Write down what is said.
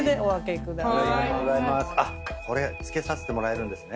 これ付けさせてもらえるんですね。